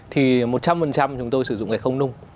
thì một trăm linh chúng tôi sử dụng gạch không nung